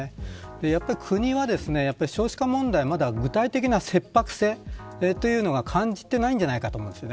やっぱり国は少子化問題具体的な切迫性というのを感じていないんじゃないかと思うんですね。